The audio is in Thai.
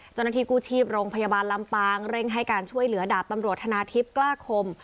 เจ้าหน้าที่กู้ชีพโรงพยาบาลลำปางเร่งให้การช่วยเหลือดาบตำรวจธนาทิพย์กล้าคม